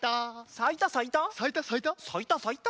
さいたさいた。